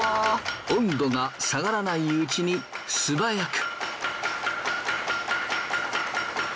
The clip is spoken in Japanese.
温度が下がらないうちにすばやく。